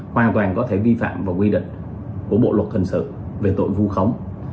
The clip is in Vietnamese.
hoàn toàn có thể vi phạm và quy định của bộ luật thần sự về tội vu khống